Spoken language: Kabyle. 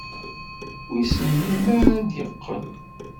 Wissen melmi ara d-yeqqel.